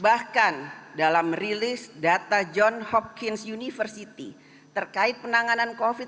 bahkan dalam rilis data john hopkins university terkait penanganan covid sembilan belas